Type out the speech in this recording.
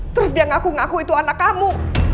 terus dia ngaku ngaku itu anak kamu